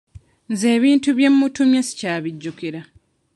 Nze ebintu bye muntumye sikyabijjukira.